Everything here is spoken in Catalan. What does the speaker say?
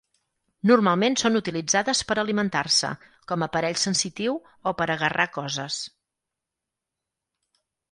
Normalment són utilitzades per alimentar-se, com aparell sensitiu, o per agarrar coses.